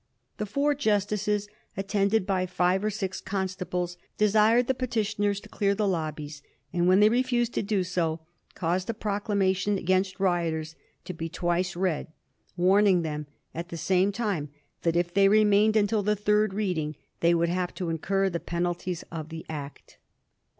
The four Justices, attended by five or six constables, desired the petitioners to clear the lobbies ; and when they refused to do so, caused a proclamation against rioters to be twice read, warning them at the same time that if they remained until the third reading, they would have to incur the penalties of the Act.